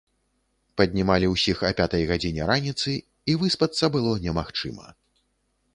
Паднімалі ўсіх а пятай гадзіне раніцы, і выспацца было немагчыма.